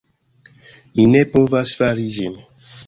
Mi ne povas fari ĝin.